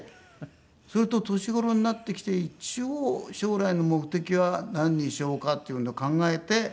それと年頃になってきて一応将来の目的は何にしようかっていうのを考えて。